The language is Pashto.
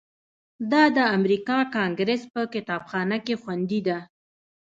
دا د امریکا کانګریس په کتابخانه کې خوندي ده.